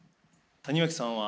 谷脇さんは。